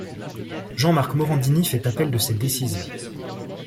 Jean-Marc Morandini fait appel de cette décision.